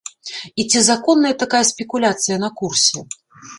І ці законная такая спекуляцыя на курсе?